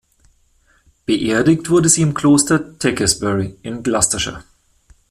Beerdigt wurde sie im Kloster Tewkesbury in Gloucestershire.